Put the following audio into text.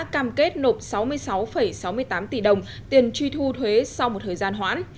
cam kết nộp sáu mươi sáu sáu mươi tám tỷ đồng tiền truy thu thuế sau một thời gian hoãn